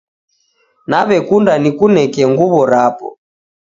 Naw'ekunda nikuneke nguw'I rapo.